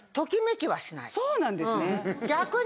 そうなんですね。